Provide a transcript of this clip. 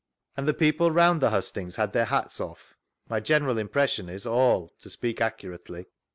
And the people round the hustings had their hats off? — My general impression is, all, to speak accurately.